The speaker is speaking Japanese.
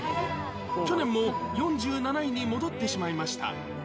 去年も４７位に戻ってしまいました。